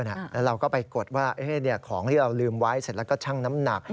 แล้วเราก็ไปกดว่าของที่เราลืมไว้เสร็จแล้วก็ชั่งน้ำหนัก